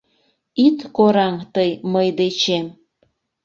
Ит кораҥ тый мый дечем